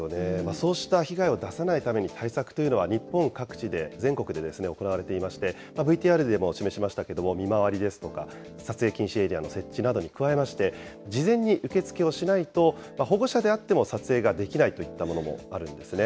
そうした被害を出さないために、対策というのは日本各地で、全国で行われていまして、ＶＴＲでも示しましたけれども見回りですとか、撮影禁止エリアの設置などに加えまして、事前に受け付けをしないと、保護者であっても撮影ができないといったものもあるんですね。